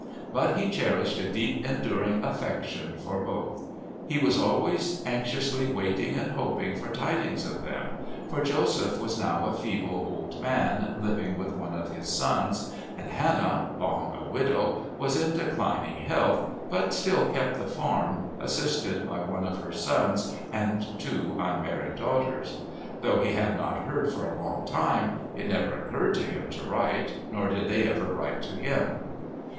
But he cherished a deep enduring affection for both; he was always anxiously waiting and hoping for tidings of them, for Joseph was now a feeble old man living with one of his sons, and Hannah, long a widow, was in declining health, but still kept the farm, assisted by one of her sons and two unmarried daughters. Though he had not heard for a long time it never occurred to him to write, nor did they ever write to him.